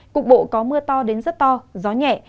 cục bộ có mưa to đến rất to gió nhẹ